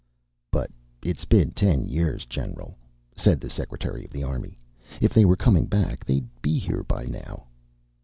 "But it's been ten years, General," said the secretary of the army. "If they were coming back, they'd be here by now."